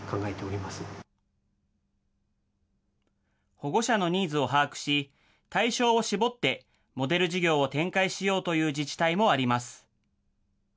保護者のニーズを把握し、対象を絞ってモデル事業を展開しようという自治体もあります。